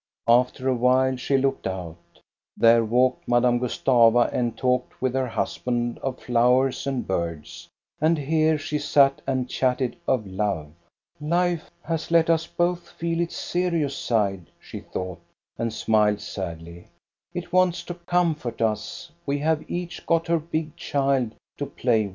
After a while she looked out. There walked Madame Gustava and talked with her husband of flowers and birds, and here she sat and chatted of love. " Life has let us both feel its serious side," she thought, and smiled sadly. " It wants to comfort us ; we have each got her big child to play with."